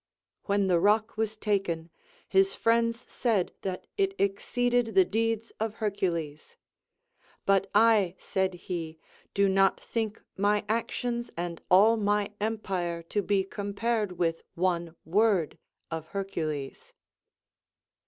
When the rock was taken, his friends said that it exceeded the deeds of Hercu les. But I, said he, do not think my actions and all my empire to be compared with one word of Hercules.